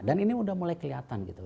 dan ini udah mulai kelihatan gitu